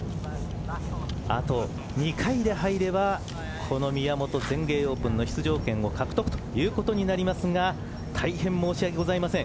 あと２回で入ればこの宮本全英オープンの出場権を獲得ということになりますが大変申し訳ございません。